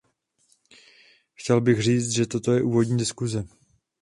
Chtěl bych říct, že toto je úvodní diskuse.